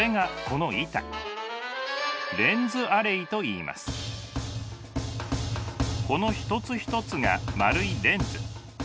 この一つ一つが丸いレンズ。